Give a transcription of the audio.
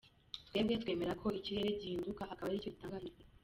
Twebwe twemera ko ikirere gihinduka akaba aricyo gitanga imvura.